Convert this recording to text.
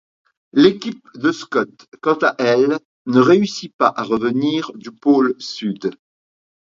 L'équipe de Scott quant à elle ne réussit pas à revenir du pôle Sud.